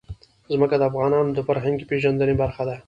ځمکه د افغانانو د فرهنګي پیژندنې برخه ده.